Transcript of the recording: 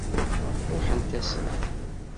Ṛuḥen-asent.